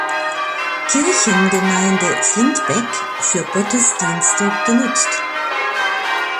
Kirchengemeinde Flintbek für Gottesdienste genutzt.